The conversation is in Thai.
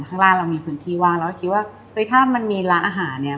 ข้างล่างเรามีพื้นที่ว่างเราก็คิดว่าเฮ้ยถ้ามันมีร้านอาหารเนี่ย